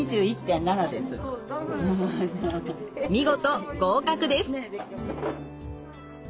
見事合格です。